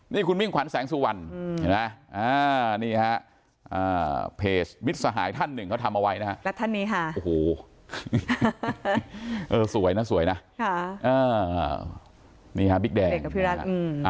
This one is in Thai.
นี่คุณมิ่งขวัญแสงสู่วันเห็นไหมอ่านี่ฮะ